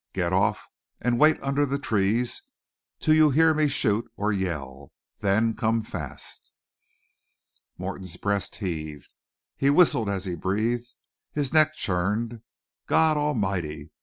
Get off and wait under the trees till you hear me shoot or yell, then come fast." Morton's breast heaved; he whistled as he breathed; his neck churned. "God Almighty!